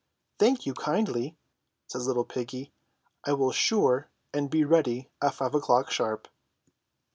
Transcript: "Thank you kindly," says little piggy. "I will sure and be ready at five o'clock sharp."